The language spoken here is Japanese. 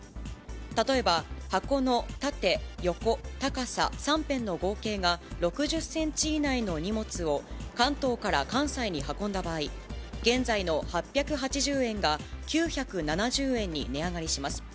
例えば、箱の縦、横、高さ３辺の合計が６０センチ以内の荷物を、関東から関西に運んだ場合、現在の８８０円が、９７０円に値上がりします。